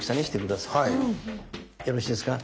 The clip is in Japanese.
よろしいですか？